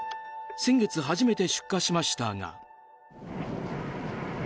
先月、初めて出荷しましたが。